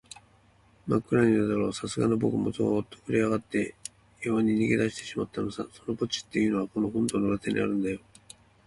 まっくらな夜だろう、さすがのぼくもゾーッとふるえあがって、やにわに逃げだしてしまったのさ。その墓地っていうのは、この本堂の裏手にあるんだよ。